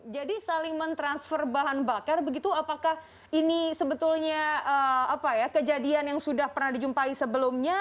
jadi saling mentransfer bahan bakar begitu apakah ini sebetulnya kejadian yang sudah pernah dijumpai sebelumnya